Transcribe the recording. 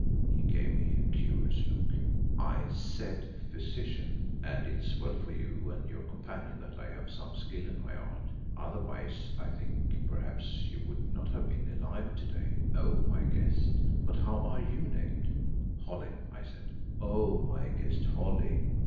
He gave me a curious look. "I said physician, and it is well for you and your companion that I have some skill in my art. Otherwise I think, perhaps, you would not have been alive to day, O my guest but how are you named?" "Holly," I said. "O my guest, Holly."